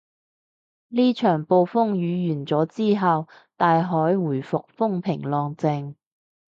呢場暴風雨完咗之後，大海回復風平浪靜